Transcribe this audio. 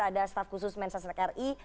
ada staff khusus mensa senek ri